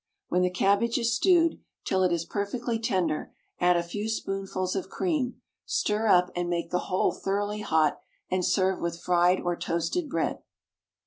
When the cabbage is stewed till it is perfectly tender, add a few spoonfuls of cream, stir up, and make the whole thoroughly hot, and serve with fried or toasted bread.